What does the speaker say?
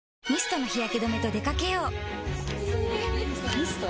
ミスト？